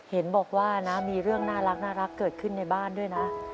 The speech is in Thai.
เห็นบอกว่านะมีเรื่องน่ารักเกิดขึ้นในบ้านด้วยนะ